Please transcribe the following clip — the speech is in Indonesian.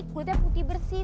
mulutnya putih bersih